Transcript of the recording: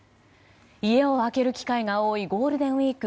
家を空ける機会が多いゴールデンウィーク。